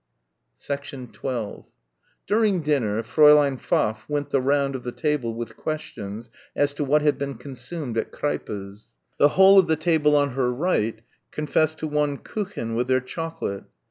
12 During dinner Fräulein Pfaff went the round of the table with questions as to what had been consumed at Kreipe's. The whole of the table on her right confessed to one Kuchen with their chocolate.